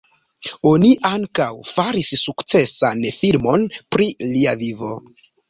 Oni ankaŭ faris sukcesan filmon pri lia vivo.